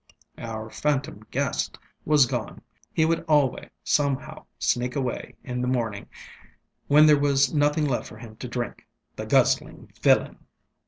Our phantom guest was gone: he would alway, somehow sneak away in the morning, when there was nothing left for him to drinkŌĆöthe guzzling villain!